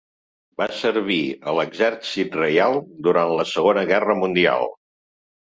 Va servir a l'Exèrcit Reial durant la segona Guerra Mundial.